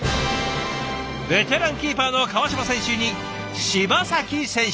ベテランキーパーの川島選手に柴崎選手。